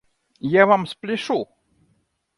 Я Вам спляшу!